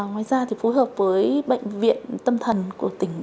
ngoài ra thì phối hợp với bệnh viện tâm thần của tỉnh